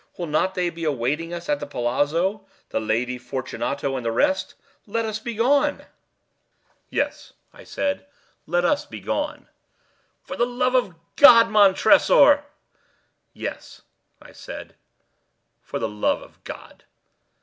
Will not they be awaiting us at the palazzo, the Lady Fortunato and the rest? Let us be gone." "Yes," I said, "let us be gone." "For the love of God, Montressor!" "Yes," I said, "for the love of God!"